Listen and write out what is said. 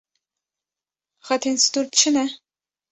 Xetên stûr çi ne?